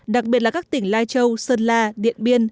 đặc biệt là các tỉnh lai châu sơn la điện biên